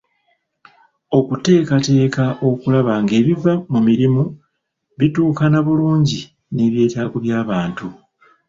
Okuteekateeka okulaba ng'ebiva mu mirimu bituukana bulungi n'ebyetaago by'abantu.